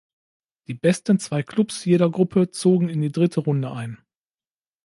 Die besten zwei Klubs jeder Gruppe zogen in die dritte Runde ein.